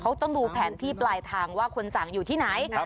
เขาต้องดูแผนที่ปลายทางว่าคนสั่งอยู่ที่ไหน